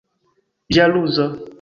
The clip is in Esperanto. ĵaluza